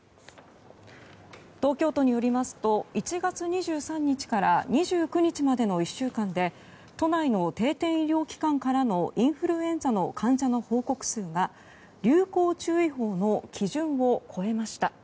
東京都によりますと１月２３日から２９日までの１週間で都内の定点医療機関からのインフルエンザの患者の報告数が流行注意報の基準を超えました。